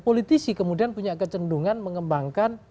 politisi kemudian punya kecendungan mengembangkan